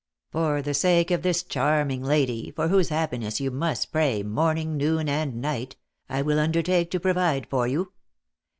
For the sake of this charming lady, for whose happiness you must pray morning, noon, and night, I will undertake to provide for you.